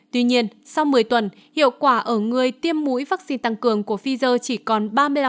tuy nhiên sau một mươi tuần hiệu quả ở người tiêm mũi vaccine tăng cường của pfizer chỉ còn ba mươi năm